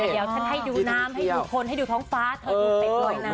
เดี๋ยวฉันให้ดูน้ำให้ดูคนให้ดูท้องฟ้าเธอดูเป็ดลอยนะ